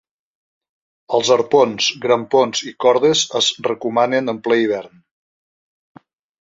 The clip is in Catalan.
Els arpons, grampons i cordes es recomanen en ple hivern.